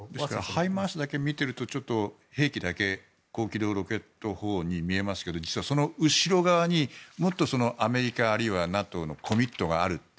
ハイマースだけ見ているとちょっと兵器だけ高機動ロケット砲に見えますけど、実はその後ろ側にもっとアメリカあるいはＮＡＴＯのコミットがある。